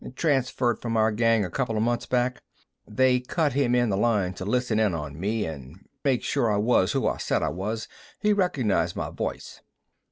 Transferred from our gang a coupla months back. They cut him in the line to listen in on me an' make sure I was who I said I was. He recognized my voice."